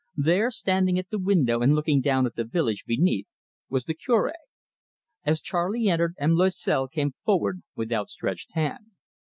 There, standing at the window and looking down at the village beneath, was the Cure. As Charley entered, M. Loisel came forward with outstretched hand.